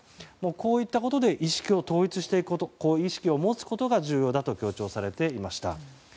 こういったことで意識を統一していく意識を持つことが重要だと強調されていました。